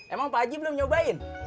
emang pakji belum nyobain